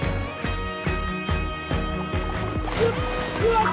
・うわっ！